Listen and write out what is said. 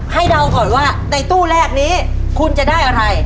เดาก่อนว่าในตู้แรกนี้คุณจะได้อะไร